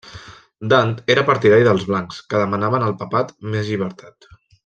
Dant era partidari dels blancs, que demanaven al papat més llibertat.